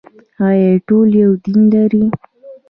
آیا ټول یو دین لري؟